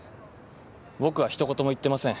僕は一言も言ってません。